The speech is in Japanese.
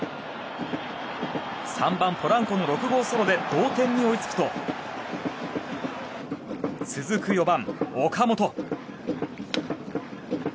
３番ポランコの６号ソロで同点に追いつくと続く４番、岡本。